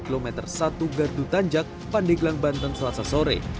kilometer satu gardu tanjak pandeglang banten selasa sore